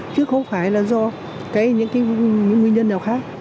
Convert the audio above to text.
chứ không phải là do cái những cái nguyên nhân nào khác